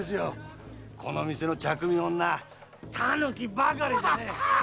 この店の茶汲み女タヌキばかりでね！